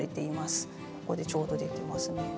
ここでちょうど出てますね。